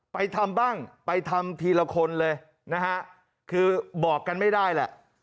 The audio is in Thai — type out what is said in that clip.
ไปทำบ้างไปทำทีละคนเลยนะฮะคือบอกกันไม่ได้แหละ